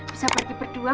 bisa pergi berdua